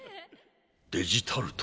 デジタルト？